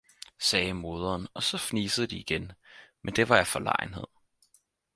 sagde moderen, og så fnisede de igen, men det var af forlegenhed.